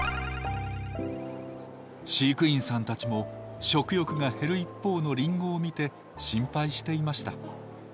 飼育員さんたちも食欲が減る一方のリンゴを見て心配していました。